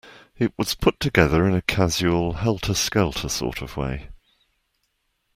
It was put together in a casual, helter-skelter sort of way.